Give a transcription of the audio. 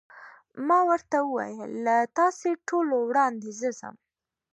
ما ورته وویل: له تاسو ټولو وړاندې زه ځم.